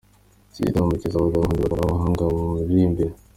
Iki gitaramo kizahuriramo abahanzi batatu b'abahanga mu miririmbire.